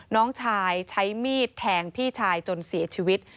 น้องชายใช้มีดแทงพี่ชายจนเสียชีวิต